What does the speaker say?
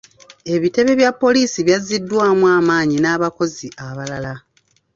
Ebitebe bya poliisi byazziddwamu amaanyi n'abakozi abalala.